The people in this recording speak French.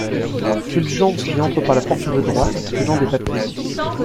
Fulgence, qui entre par la porte de droite, tenant des papiers.